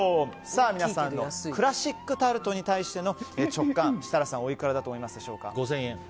皆さんのクラシックタルトに対しての直感設楽さんはおいくらだと思いますか？